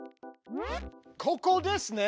ここですね！